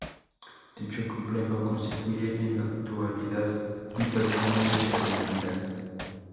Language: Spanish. Dicho complejo constituye en la actualidad un Patrimonio de la Humanidad.